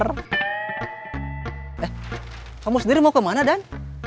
eh kamu sendiri mau kemana dan